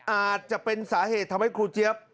อาจจะเป็นสาเหตุทำให้ครูเจี๊ยบ